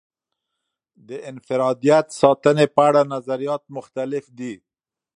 د انفرادیت ساتنې په اړه نظریات مختلف دي.